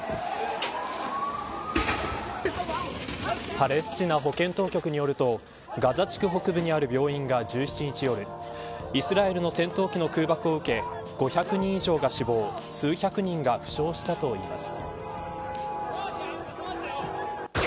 パレスチナ保健当局によるとガザ地区北部にある病院が１７日夜、イスラエルの戦闘機の空爆を受け５００人以上が死亡数百人が負傷したといいます。